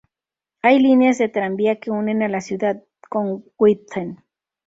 Hay líneas de tranvía que unen a la ciudad con Witten.